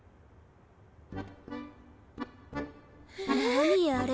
何あれ？